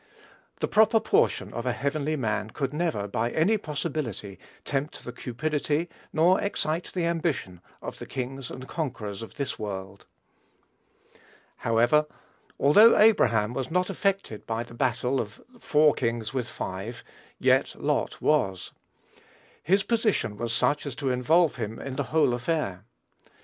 The proper portion of a heavenly man could never, by any possibility, tempt the cupidity nor excite the ambition of the kings and conquerors of this world. However, although Abraham was not affected by the battle of "four kings with five," yet Lot was. His position was such as to involve him in the whole affair.